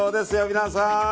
皆さん。